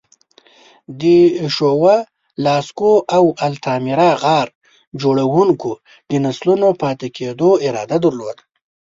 د شووه، لاسکو او التامیرا غار جوړونکو د نسلونو پاتې کېدو اراده درلوده.